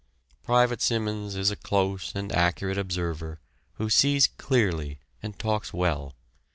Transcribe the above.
Private Simmons is a close and accurate observer who sees clearly and talks well.